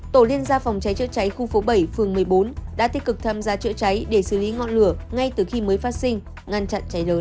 tổ liên gia phòng cháy chữa cháy khu phố bảy phường một mươi bốn đã tích cực tham gia chữa cháy để xử lý ngọn lửa ngay từ khi mới phát sinh ngăn chặn cháy lớn